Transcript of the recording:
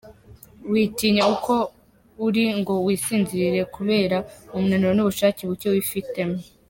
Witinya uko uri ngo wisinzirire kubera umunaniro n’ubushake buke wifitemo.